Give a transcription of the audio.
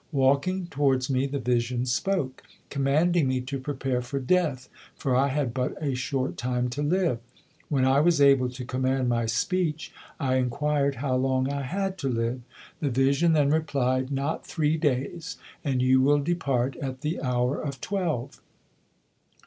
Walking towards me, the vision spoke, commanding me to prepare for death, for I had but a short time to live. When I was able to command my speech, I enquired how long I had to live. The vision then replied, 'Not three days; and you will depart at the hour of twelve.'"